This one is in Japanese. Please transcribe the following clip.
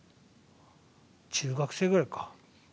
中学生ぐらいか。